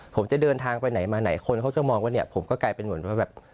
ผมจะเดินทางไปไหนมาไหนคนเขาจะมองว่าเนี่ยผมก็กลายเป็นเหมือนว่าแบบ